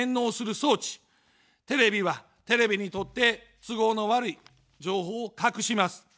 テレビは、テレビにとって都合の悪い情報を隠します。